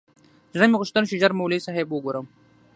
زړه مې غوښتل چې ژر مولوي صاحب وگورم.